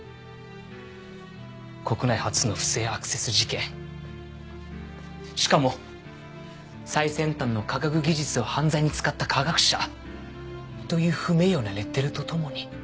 国内初の不正アクセス事件しかも最先端の科学技術を犯罪に使った科学者という不名誉なレッテルと共に。